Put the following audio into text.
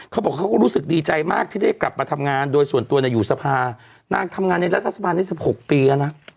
เขาบอกเขาก็รู้สึกดีใจมากที่ได้กลับมาทำงานโดยส่วนตัวอยู่สภานางทำงานในรัฐบาลได้๑๖ปีแล้วนะ